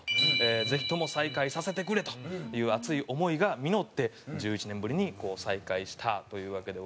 ぜひとも再開させてくれという熱い思いが実って１１年ぶりに再開したというわけでございますね。